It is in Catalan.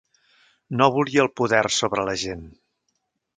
No volia el poder sobre la gent.